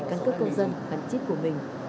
căn cấp công dân hạn chế của mình